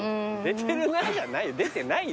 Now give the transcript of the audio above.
「出てるな」じゃない。